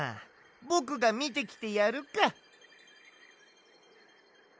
ぼくがみてきてやるか！